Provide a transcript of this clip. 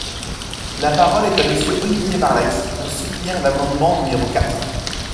La parole est à Monsieur Olivier Marleix, pour soutenir l’amendement numéro quatre.